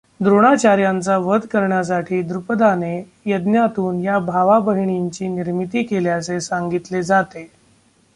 द्रोणाचार्यांचा वध करण्यासाठी द्रुपदाने यज्ञातून या भावा बहीणीची निर्मिती केल्याचे सांगितले जाते.